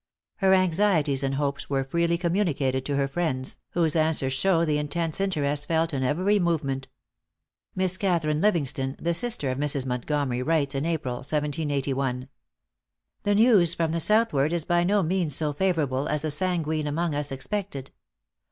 Her anxieties and hopes were freely communicated to her friends, whose answers show the intense interest felt in every movement. Miss Catharine Livingston, the sister of Mrs. Montgomery, writes in April, 1781: "The news from the southward is by no means so favorable as the sanguine among us expected.